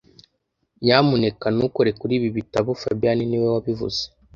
Nyamuneka ntukore kuri ibi bitabo fabien niwe wabivuze